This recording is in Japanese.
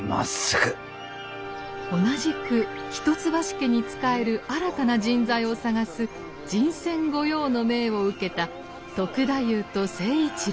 同じく一橋家に仕える新たな人材を探す人選御用の命を受けた篤太夫と成一郎は。